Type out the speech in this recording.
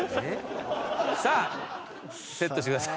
さあセットしてください。